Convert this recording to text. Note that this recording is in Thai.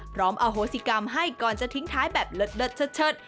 พร้อมอโฮศิกรรมให้ก่อนจะทิ้งท้ายแบบเลิดเฉิด